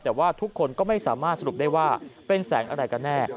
แต่ว่าทุกคนก็ไม่สามารถสรุปได้ว่าเป็นแสงอะไรกันแน่